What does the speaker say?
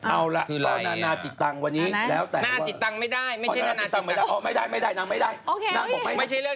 เอาล่ะขอนานาจิตตังค์วันนี้